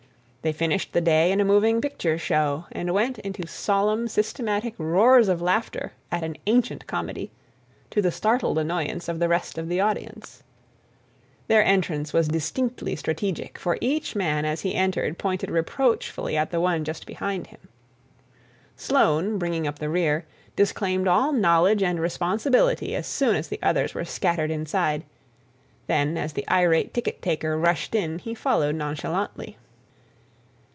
They finished the day in a moving picture show and went into solemn systematic roars of laughter at an ancient comedy, to the startled annoyance of the rest of the audience. Their entrance was distinctly strategic, for each man as he entered pointed reproachfully at the one just behind him. Sloane, bringing up the rear, disclaimed all knowledge and responsibility as soon as the others were scattered inside; then as the irate ticket taker rushed in he followed nonchalantly.